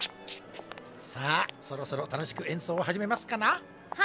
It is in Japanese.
さあそろそろ楽しくえんそうをはじめますかな。